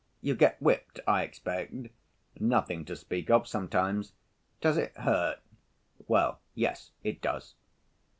"You get whipped, I expect?" "Nothing to speak of—sometimes." "Does it hurt?" "Well, yes, it does."